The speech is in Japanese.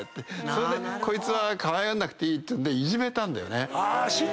それでこいつはかわいがんなくていいっていじめたんだよね。